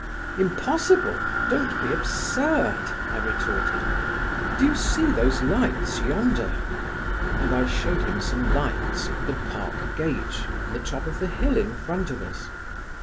"Impossible! don't be absurd," I retorted. "Do you see those lights yonder?" and I showed him some lights at the Park gate on the top of the hill in front of us.